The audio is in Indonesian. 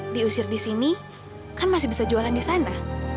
diusir di sini kan masih bisa jualan di sana